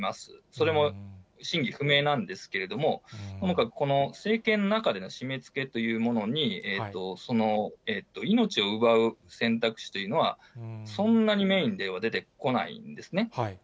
それも真偽不明なんですけれども、ともかくこの政権の中での締めつけというものに、命を奪う選択肢というのはそんなにメインでは出てこないんですね。